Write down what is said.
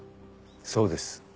そうです。